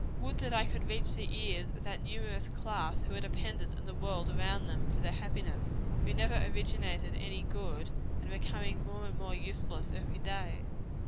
Would that I could reach the ears of that numerous class who are dependent on the world around them for their happiness who never originated any good, and are becoming more and more useless everyday!